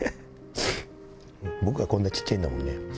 僕がこんなちっちゃいんだもんね。